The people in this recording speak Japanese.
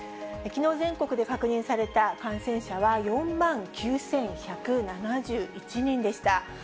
きのう全国で確認された感染者は４万９１７１人でした。